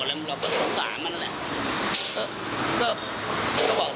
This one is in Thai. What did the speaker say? แต่ถ้าอยากจะตีเขาก็ไม่ได้อย่างนี้หรอก